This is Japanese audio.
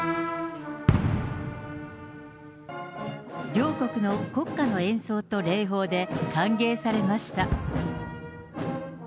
両国の国歌の演奏と礼砲で歓迎されました。